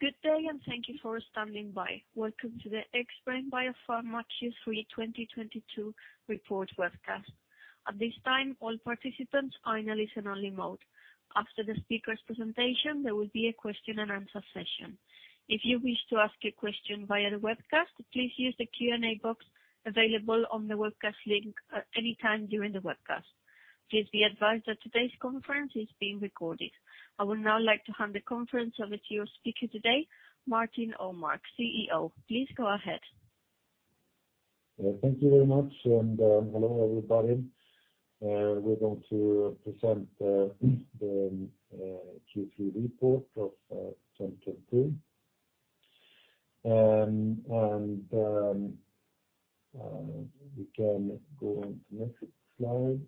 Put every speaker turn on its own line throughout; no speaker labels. Good day, thank you for standing by. Welcome to the Xbrane Biopharma Q3 2022 Report Webcast. At this time, all participants are in a listen only mode. After the speaker's presentation, there will be a question and answer session. If you wish to ask a question via the webcast, please use the Q&A box available on the webcast link at any time during the webcast. Please be advised that today's conference is being recorded. I would now like to hand the conference over to your speaker today, Martin Åmark, CEO. Please go ahead.
Thank you very much and hello everybody. We're going to present the Q3 report of 2022. We can go on to next slide.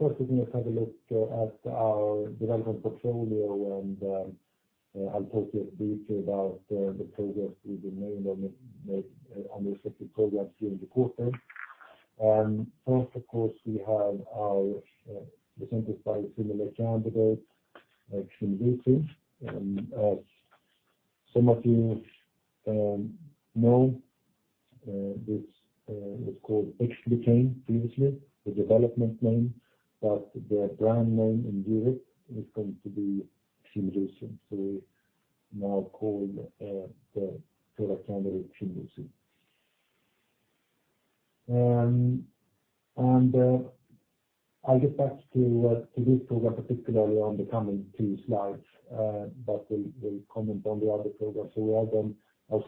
First we're gonna have a look at our development portfolio and I'll talk a bit about the progress we've been making on the respective programs during the quarter. First of course we have our Xbrane biosimilar candidate Ximluci. As some of you know, this was called Xlucane previously, the development name, but the brand name in Europe is going to be Ximluci. We now call the product candidate Ximluci. I'll get back to this program particularly on the coming two slides. We'll comment on the other programs as well then. Our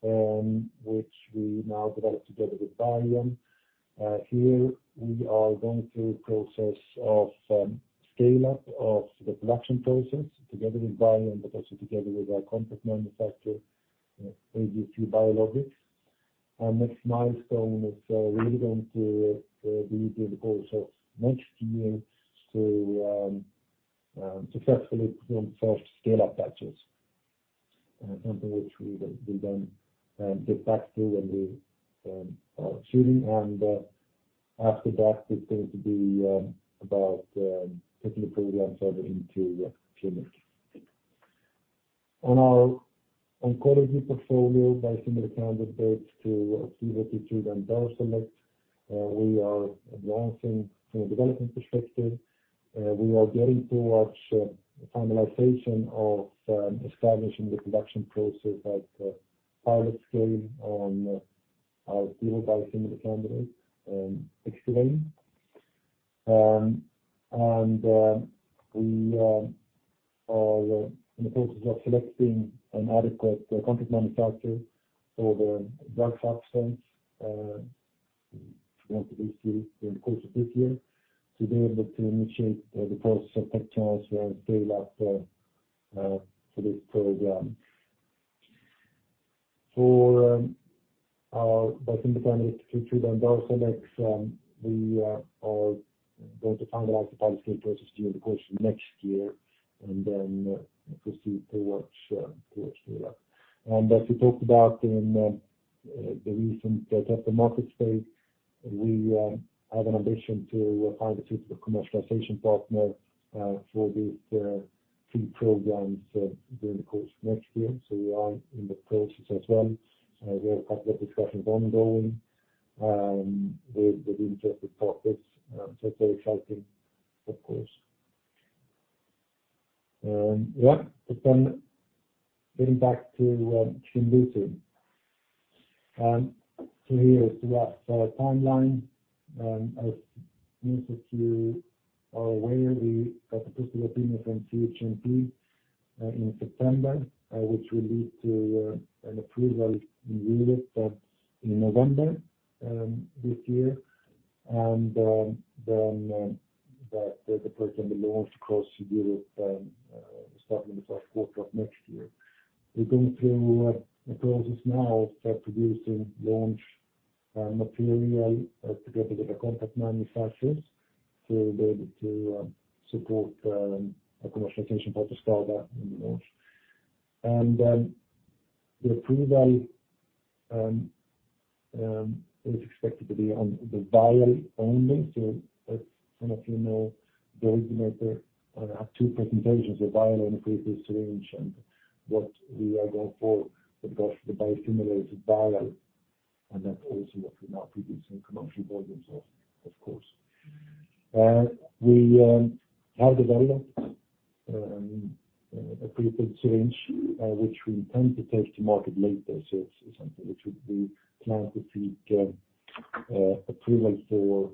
synthetic candidate, which we now developed together with Biome. Here we are going through a process of scale up of the production process together with Biome, but also together with our contract manufacturer, AGC Biologics. Our next milestone is really going to be during the course of next year to successfully perform first scale up batches. Something which we will get back to when we are shooting and after that it's going to be about taking the program further into clinics. On our oncology portfolio biosimilar candidates to Opdivo, Keytruda and Darzalex, we are advancing from a development perspective. We are getting towards finalization of establishing the production process at pilot scale on our Xdivane biosimilar candidate. We are in the process of selecting an adequate contract manufacturer for the drug substance, hopefully this year, during the course of this year, to be able to initiate the process of tech transfer and scale up for this program. For our biosimilar candidate to Keytruda and Darzalex, we are going to finalize the pilot scale process during the course of next year and then proceed towards scale up. As we talked about in the recent Capital Markets Day, we have an ambition to find a suitable commercialization partner for these three programs during the course of next year. We are in the process as well. We have a couple of discussions ongoing with interested parties. It's very exciting of course. Yeah. Getting back to Ximluci. Here is what our timeline, as most of you are aware, we got a positive opinion from CHMP in September, which will lead to an approval in Europe in November this year. The product can be launched across Europe starting in the fourth quarter of next year. We're going through a process now of start producing launch material together with our contract manufacturers to be able to support a commercialization partner start up and launch. The approval is expected to be on the vial only. As some of you know, the originator have two presentations, the vial and the pre-filled syringe. What we are going for is, of course, the biosimilar is a vial, and that's also what we're now producing commercial volumes of course. We have developed a pre-filled syringe, which we intend to take to market later. It's something which we plan to seek approval for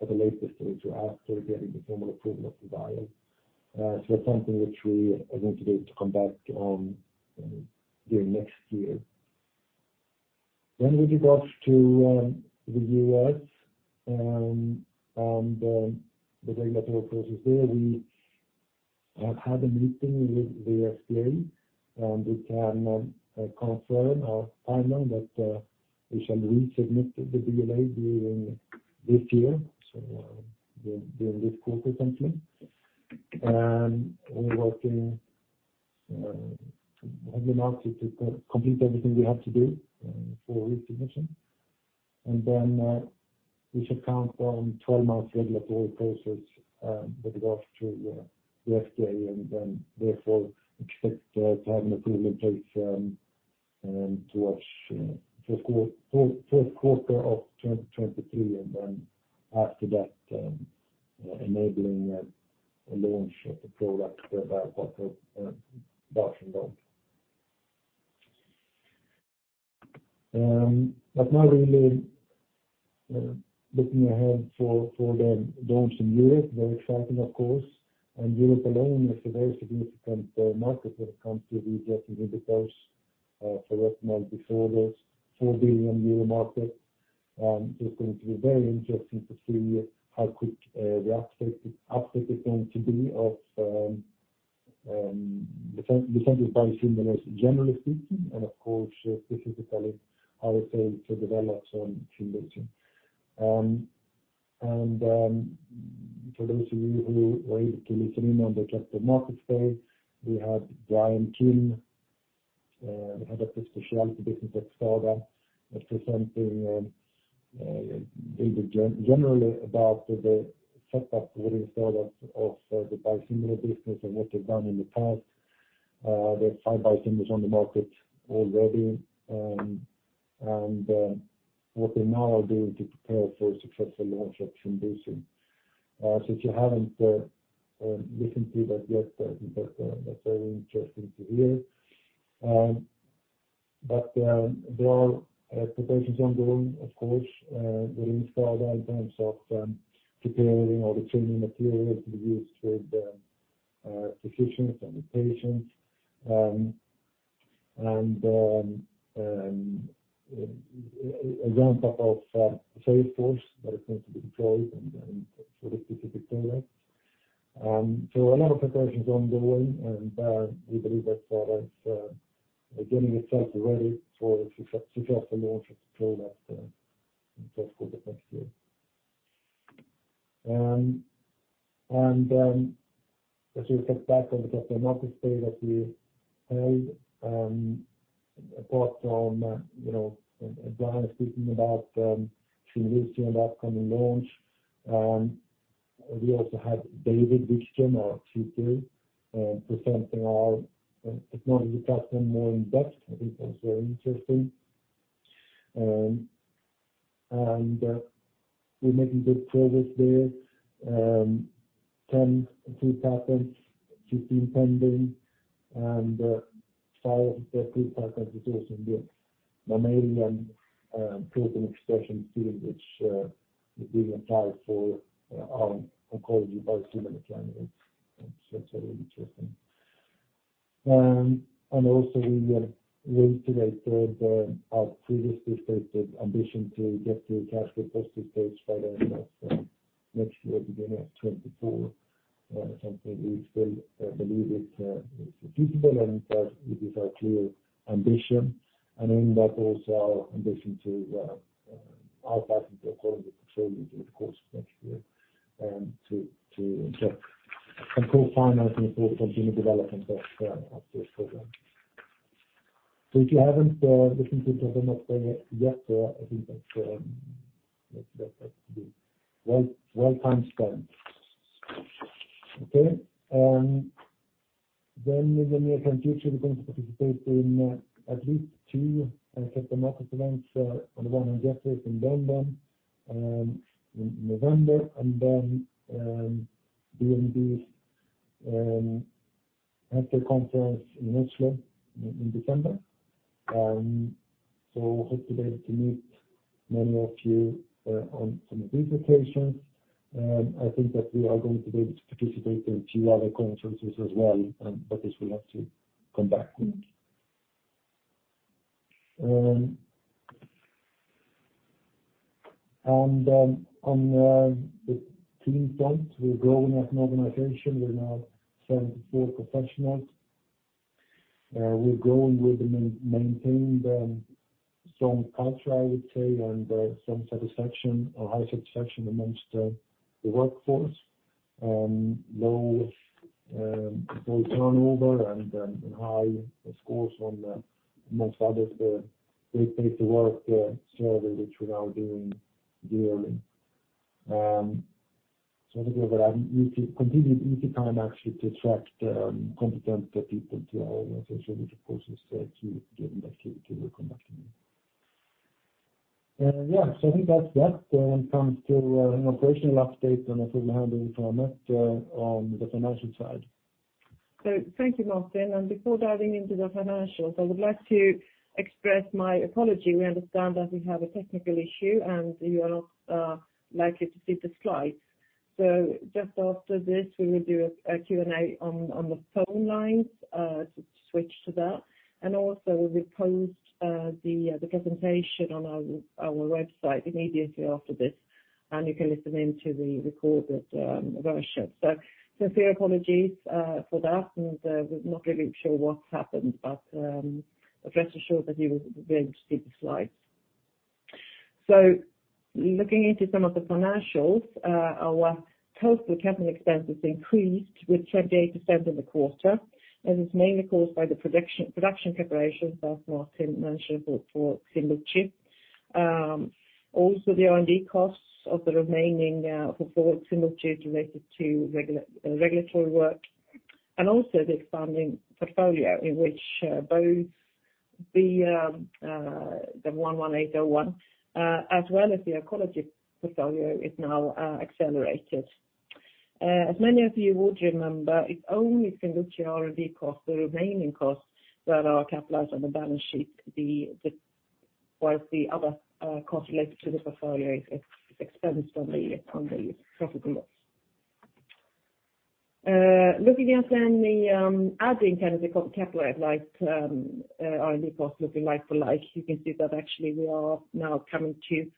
at a later stage after getting the formal approval of the vial. It's something which we are going to be able to come back to during next year. Moving us to the U.S. and the regulatory process there. We have had a meeting with the FDA, and we can confirm that we shall resubmit the BLA during this year. During this quarter certainly. Have been asked to complete everything we have to do for recognition. We should count on 12 months regulatory process with regard to the FDA, and then therefore expect to have an approval in place towards fourth quarter of 2023. After that, enabling a launch of the product. Now really looking ahead for the launches in Europe, very exciting of course. Europe alone is a very significant market when it comes to the injectable glucose for recognized disorders, 4 billion euro market. It's going to be very interesting to see how quick the uptake is going to be of the next-generation biosimilars generally speaking, and of course, specifically how the sales are developed on Symlezi For those of you who were able to listen in on the Capital Markets Day, we had Bryan Kim, the head of the specialty business at STADA, presenting generally about the setup within STADA of the biosimilar business and what they've done in the past. There are five biosimilars on the market already, and what they now are doing to prepare for a successful launch of Symlezi. Since you haven't listened to that yet, I think that's very interesting to hear. There are preparations ongoing, of course, within STADA in terms of preparing all the training materials to be used with physicians and the patients. A ramp up of sales force that is going to be deployed and for the specific product. A lot of preparations ongoing, and we believe that STADA is getting itself ready for a successful launch of the product in the course of next year. As we looked back on the Capital Markets Day that we held, apart from, you know, Brian speaking about Ximluci and the upcoming launch, we also had David Vikström, our CTO, presenting our technology platform more in depth. I think that was very interesting. We're making good progress there. 10 approved patents, 15 pending, and five of the approved patents are also in the mammalian protein expression field, which we believe applies for our oncology biosimilar candidates. That's very interesting. We reiterated our previously stated ambition to get to Phase III ready by the end of next year, beginning of 2024. Something we still believe it is achievable and in fact it is our clear ambition. In that, also our ambition to build our patent portfolio over the course of next year to conduct some co-financing for the continued development of this program. If you haven't listened to the Capital Markets Day yet, I think that's a well time spent. Okay. In the near-term future, we're going to participate in at least two Capital Markets events. One in Jefferies in London in November, and then ABG's Life Science Summit in Oslo in December. Hope to be able to meet many of you on some of these occasions. I think that we are going to be able to participate in a few other conferences as well, but this will have to come back to me. On the team front, we're growing as an organization. We're now 74 professionals. We're growing with the maintained strong culture, I would say, and some satisfaction or high satisfaction among the workforce. Low turnover and high scores on, among others, the Great Place to Work survey, which we're now doing yearly. I think overall we can continue to use the time actually to attract competent people to our organization, which of course is key given that we're conducting. Yeah, so I think that's that when it comes to an operational update, and I think we'll hand over to Siavash Bashiri on the financial side.
Thank you, Martin. Before diving into the financials, I would like to express my apology. We understand that we have a technical issue, and you are not likely to see the slides. Just after this, we will do a Q&A on the phone lines to switch to that. Also, we post the presentation on our website immediately after this, and you can listen in to the recorded version. Sincere apologies for that. We're not really sure what's happened, but rest assured that you will be able to see the slides. Looking into some of the financials, our total CapEx increased with 28% in the quarter, and it's mainly caused by the production preparations as Martin mentioned for Ximluci. Also the R&D costs of the remaining for Ximluci related to regulatory work and also the expanding portfolio in which both the 11801 as well as the oncology portfolio is now accelerated. As many of you would remember, it's only Ximluci R&D costs, the remaining costs that are capitalized on the balance sheet. Whilst the other costs related to the portfolio is expensed on the profit and loss. Looking at then the adding kind of the capitalized R&D costs, looking like for like, you can see that actually we are now coming to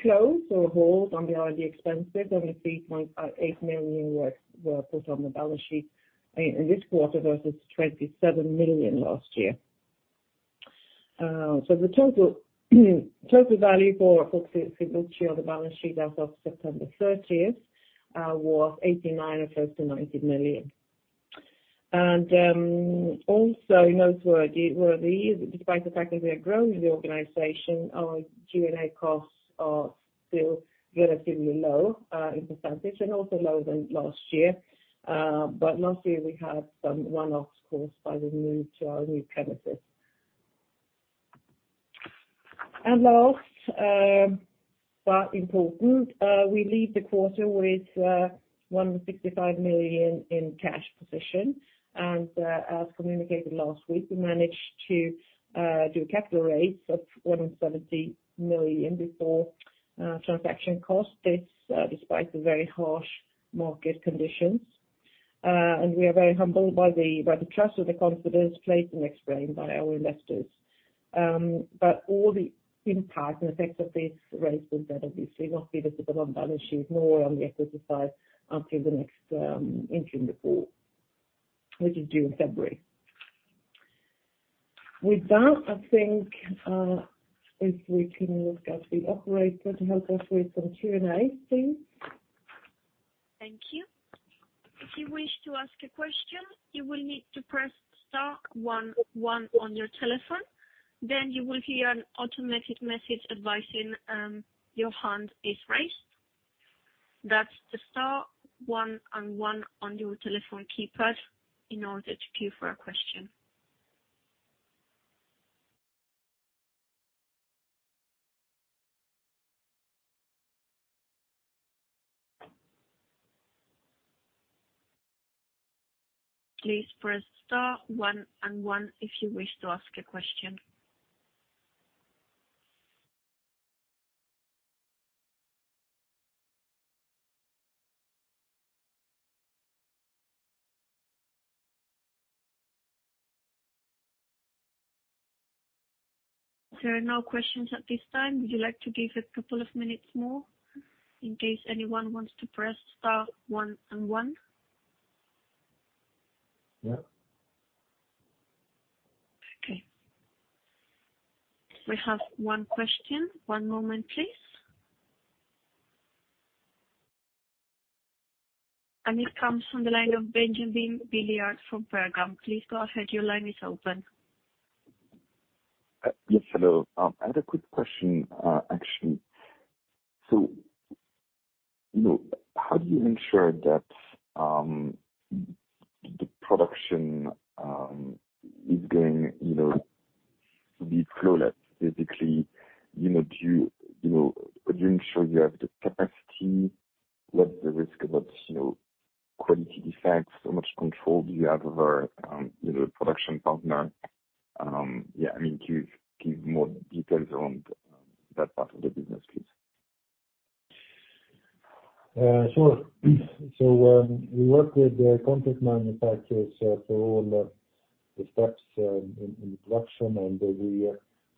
close or hold on the R&D expenses. Only 3.8 million were put on the balance sheet in this quarter versus 27 million last year. The total value for Ximluci on the balance sheet as of September thirtieth was 89 million as opposed to 90 million. Also, noteworthy is that despite the fact that we are growing the organization, our G&A costs are still relatively low in percentage and also lower than last year. Last year we had some one-offs caused by the move to our new premises. Last but important, we end the quarter with 165 million in cash position. As communicated last week, we managed to do a capital raise of 170 million before transaction costs. This despite the very harsh market conditions. We are very humbled by the trust and the confidence placed in Xbrane by our investors. All the impact and effects of this raise will then obviously not be visible on balance sheet, more on the equity side until the next interim report, which is due in February. With that, I think, if we can ask the operator to help us with some Q&A please.
Thank you. If you wish to ask a question, you will need to press star one one on your telephone. Then you will hear an automated message advising, your hand is raised. That's the star one and one on your telephone keypad in order to queue for a question. Please press star one one if you wish to ask a question. There are no questions at this time. Would you like to give a couple of minutes more in case anyone wants to press star one one?
Yeah.
Okay. We have one question. One moment, please. It comes from the line of Benjamin Billiard from Pareto Securities. Please go ahead. Your line is open.
Yes, hello. I had a quick question, actually. You know, how do you ensure that the production is going, you know, to be flawless basically, you know, do you know, are you sure you have the capacity? What's the risk about, you know, quality defects? How much control do you have over, you know, production partner? Yeah, I mean, can you give more details around that part of the business, please?
Sure. We work with the contract manufacturers for all the steps in production, and we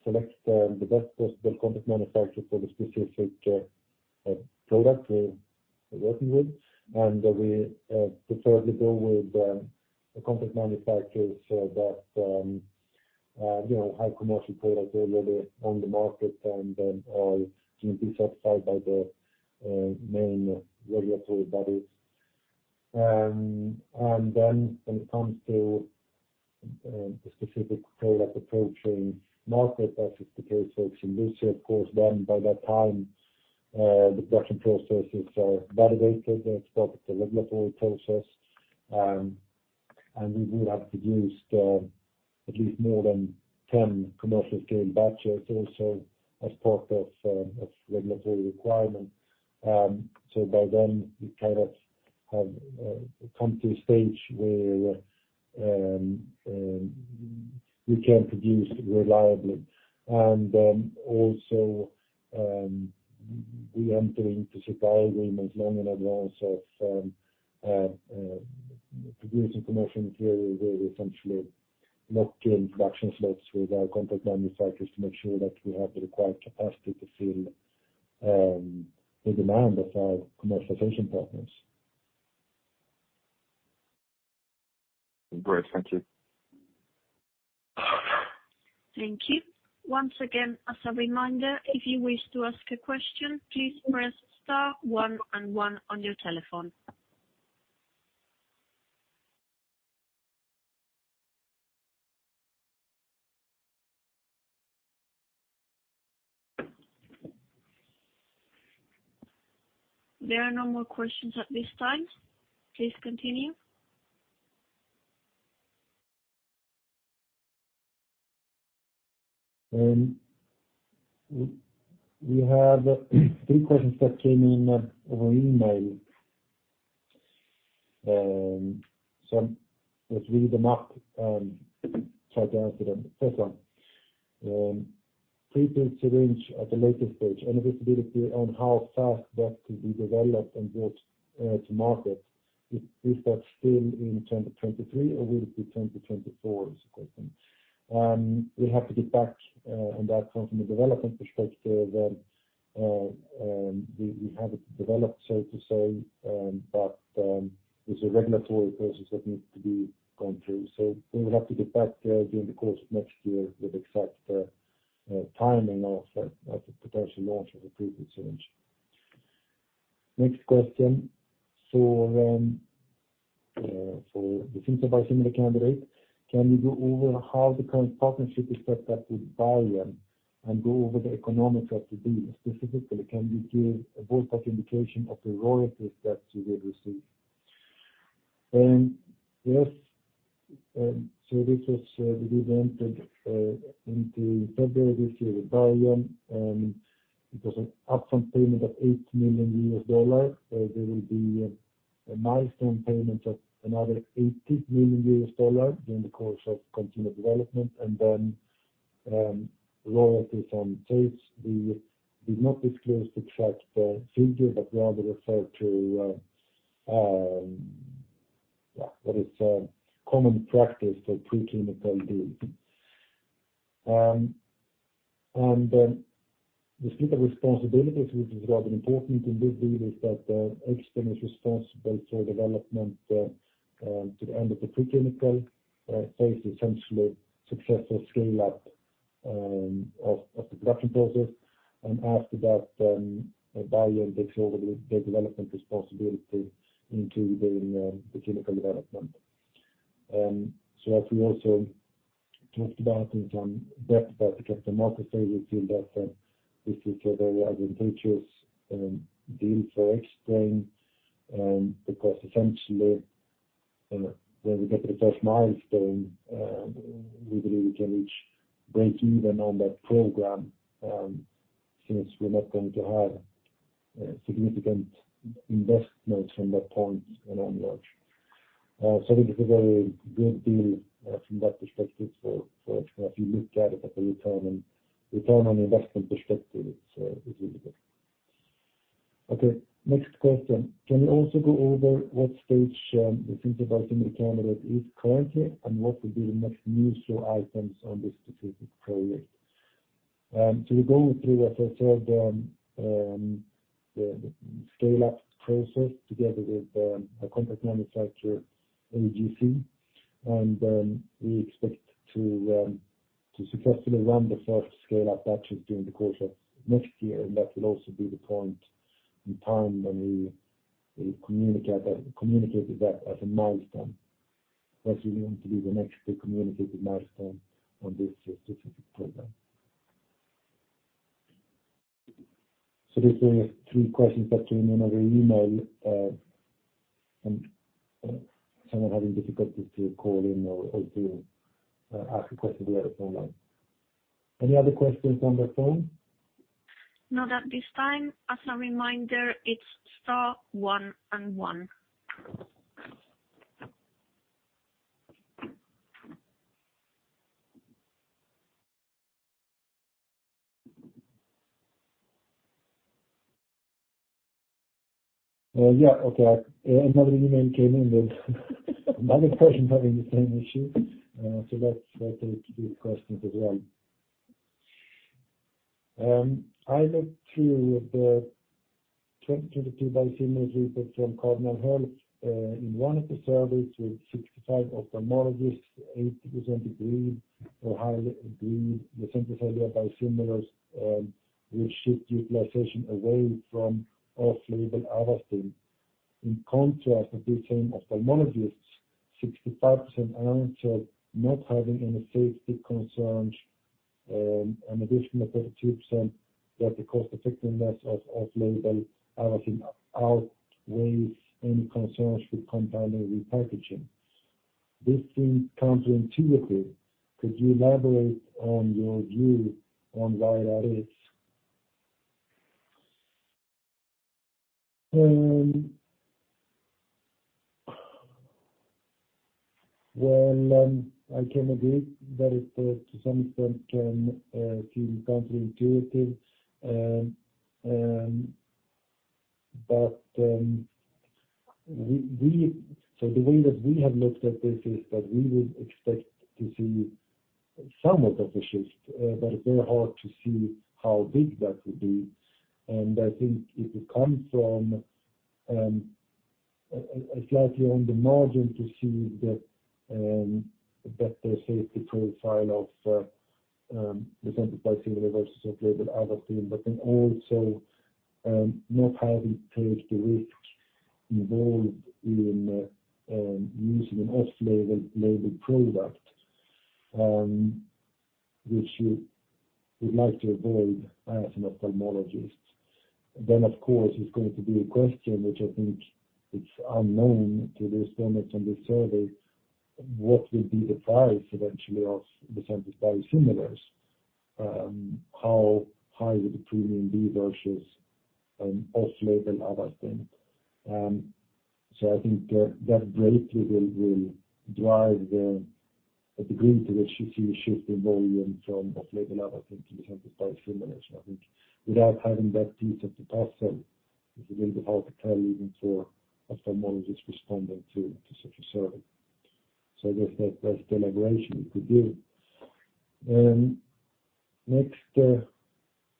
select the best possible contract manufacturer for the specific product we're working with. We preferably go with the contract manufacturers so that, you know, have commercial product already on the market and are GMP certified by the main regulatory bodies. When it comes to the specific product approaching market, as is the case for Ximluci, of course, then by that time the production processes are validated as part of the regulatory process. We will have produced at least more than 10 commercial scale batches also as part of of regulatory requirement. By then we kind of have come to a stage where we can produce reliably. Also, we enter into supply agreements long in advance of producing commercial material where we essentially lock in production slots with our contract manufacturers to make sure that we have the required capacity to fill the demand of our commercialization partners.
Great. Thank you.
Thank you. Once again, as a reminder, if you wish to ask a question, please press star one and one on your telephone. There are no more questions at this time. Please continue.
We have three questions that came in over email. Let's read them out, try to answer them. First one, pre-filled syringe at the later stage, any visibility on how fast that could be developed and brought to market. Is that still in 2023 or will it be 2024 is the question. We have to get back on that one from the development perspective. We have it developed, so to say, but there's a regulatory process that needs to be gone through. We will have to get back during the course of next year with exact timing of that, of the potential launch of a pre-filled syringe. Next question. For the biosimilar candidate, can you go over how the current partnership is set up with STADA and go over the economics of the deal? Specifically, can you give a ballpark indication of the royalties that you will receive? Yes. We entered into in February of this year with STADA. It was an upfront payment of $8 million. There will be a milestone payment of another $18 million during the course of continued development, and then royalties on sales. We will not disclose the exact figure, but rather refer to what is common practice for preclinical deals. The split of responsibilities, which is rather important in this deal, is that Xbrane is responsible for development to the end of the preclinical phase, essentially successful scale up of the production process. After that, STADA takes over the development responsibility into doing the clinical development. As we also talked about in some depth at the Capital Markets Day, we feel that this is a very advantageous deal for Xbrane. Because essentially, when we get to the first milestone, we believe we can reach breakeven on that program, since we're not going to have significant investments from that point and onwards. I think it's a very good deal from that perspective for Xbrane. If you look at it from the return on investment perspective, it's really good. Okay, next question. Can you also go over what stage the biosimilar candidate is currently, and what will be the next major items on this specific project? We're going through, as I said, the scale-up process together with a contract manufacturer, AGC. We expect to successfully run the first scale-up batches during the course of next year. That will also be the point in time when we communicate that as a milestone. That's what we want to be the next big communicated milestone on this specific program. These were the three questions that came in over email, and someone having difficulties to call in or to ask a question via the phone line. Any other questions on the phone?
Not at this time. As a reminder, it's star one and one.
Yeah, okay. Another email came in with another person having the same issue. So let's take these questions as well. I looked through the 2022 biosimilars report from Cardinal Health. In one of the surveys with 65 ophthalmologists, 80% agreed or highly agreed the success of biosimilars will shift utilization away from off-label Avastin. In contrast, of the same ophthalmologists, 65% answered not having any safety concerns, an additional 32% that the cost effectiveness of off-label Avastin outweighs any concerns with container repackaging. This seems counterintuitive. Could you elaborate on your view on why that is? Well, I can agree that it to some extent can seem counterintuitive. We... The way that we have looked at this is that we would expect to see somewhat of a shift, but very hard to see how big that would be. I think it will come from a slightly on the margin to see the better safety profile of bevacizumab biosimilars versus off-label Avastin. Not having to take the risk involved in using an off-label unlabeled product, which you would like to avoid as an ophthalmologist. Of course, it's going to be a question which I think it's unknown to this summit and the survey, what will be the price eventually of bevacizumab biosimilars. How high will the premium be versus an off-label Avastin. I think that breakthrough will drive the degree to which you see a shift in volume from off-label Avastin to Lucentis biosimilars. I think without having that piece of the puzzle, it will be hard to tell even for ophthalmologists responding to such a survey. I guess that there's deliberation to do. Next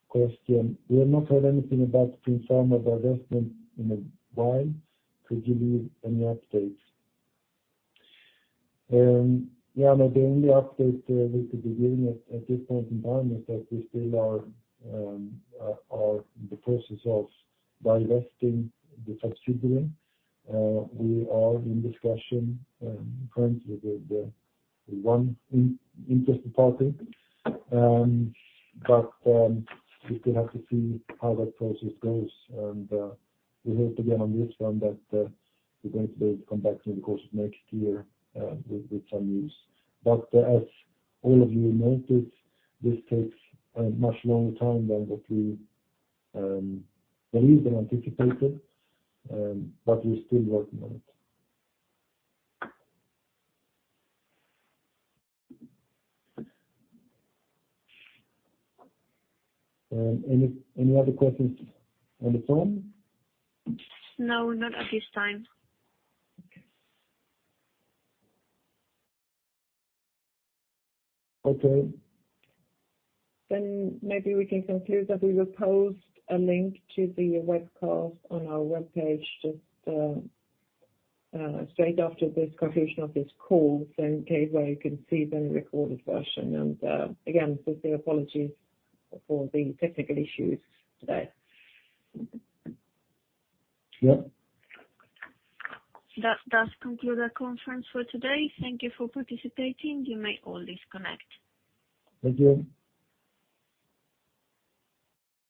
question. We have not heard anything about Primm Pharma divestment in a while. Could you give any updates? Yeah, no, the only update we could be giving at this point in time is that we still are in the process of divesting the subsidiary. We are in discussion currently with one interested party. We still have to see how that process goes. We hope again on this one that we're going to be able to come back during the course of next year, with some news. As all of you noted, this takes a much longer time than what we believed and anticipated, but we're still working on it. Any other questions on the phone?
No, not at this time.
Okay.
Maybe we can conclude that we will post a link to the webcast on our webpage just straight after this conclusion of this call. In case where you can see the recorded version. Again, with the apologies for the technical issues today.
Yeah.
That does conclude our conference for today. Thank you for participating. You may all disconnect.
Thank you.